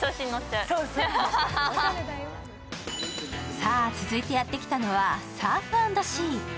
さあ、続いてやってきたのはサーフ＆シー。